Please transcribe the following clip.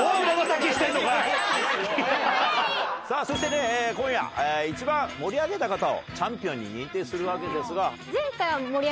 そして今夜一番盛り上げた方をチャンピオンに認定するわけですが。